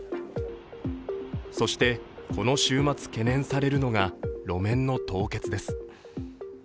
そして、この週末懸念されるのが路面の凍結です。